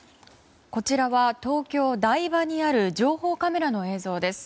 こちらは東京・台場にある情報カメラの映像です。